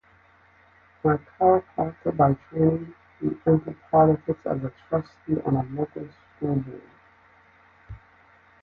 A chiropractor by training, he entered politics as trustee on a local school board.